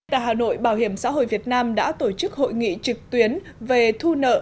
tại hà nội bảo hiểm xã hội việt nam đã tổ chức hội nghị trực tuyến về thu nợ